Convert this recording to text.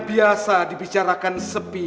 biasa dibicarakan sepi